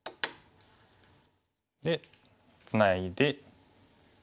でツナいで。